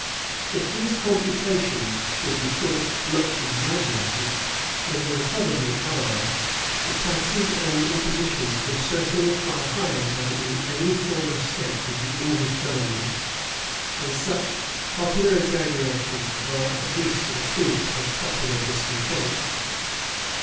If these computations should be thought much exaggerated, as they probably are,[] the taxes and impositions were certainly far higher than in any former state of the English government; and such popular exaggerations are at least a proof of popular discontents.